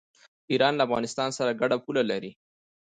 ایران له افغانستان سره ګډه پوله لري.